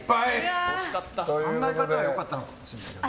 考え方は良かったのかもしれないね。